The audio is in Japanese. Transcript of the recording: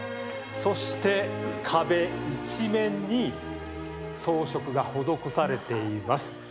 そして、壁一面に装飾が施されています。